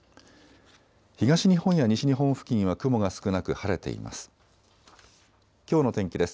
東日本や西日本付近は雲が少なく晴れています。